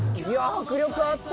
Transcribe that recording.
迫力あった。